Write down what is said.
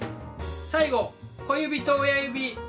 最後小指と親指。